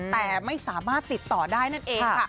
แต่ไม่สามารถติดต่อได้นั่นเองค่ะ